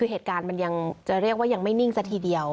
คือเหตุการณ์มันยังจะเรียกว่ายังไม่นิ่งซะทีเดียว